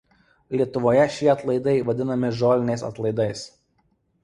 Lietuvoje šie atlaidai vadinami Žolinės atlaidais.